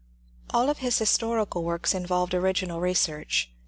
All of his historical works involved original research.